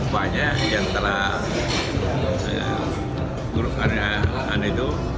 banyak yang telah